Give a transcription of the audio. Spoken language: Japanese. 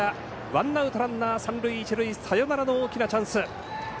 ワンアウトランナー、三塁一塁サヨナラの大きなチャンス。